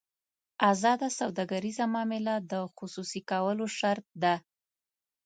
ازاده سوداګریزه معامله د خصوصي کولو شرط ده.